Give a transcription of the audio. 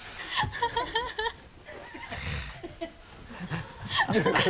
ハハハ